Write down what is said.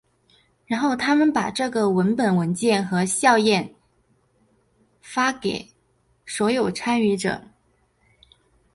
然后他们把这个文本文件和校验和发给所有参与者。